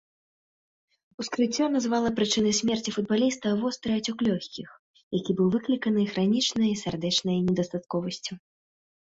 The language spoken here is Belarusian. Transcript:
Ускрыццё назвала прычынай смерці футбаліста востры ацёк лёгкіх, які быў выкліканы хранічнай сардэчнай недастатковасцю.